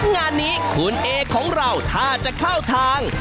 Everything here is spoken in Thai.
งานนี้คุณเอของเราถ้าจะเข้าทาง